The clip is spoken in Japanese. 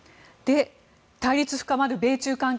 対立が深まる米中関係